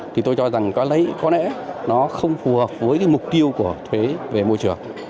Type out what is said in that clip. thì tôi cho rằng có lấy có lẽ nó không phù hợp với cái mục tiêu của thuế về môi trường